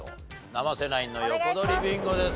生瀬ナインの横取りビンゴです。